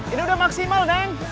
ini udah maksimal neng